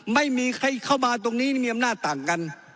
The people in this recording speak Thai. ไม่มีใครเข้ามาตรงนี้มีอำนาจต่างกัน